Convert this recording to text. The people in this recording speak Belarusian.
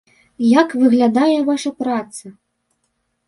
Як выглядае ваша праца?